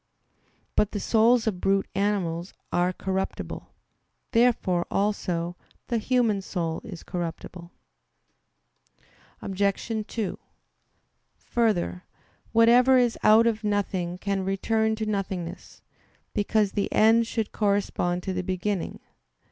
But the souls of brute animals are corruptible. Therefore, also, the human soul is corruptible. Obj. 2: Further, whatever is out of nothing can return to nothingness; because the end should correspond to the beginning.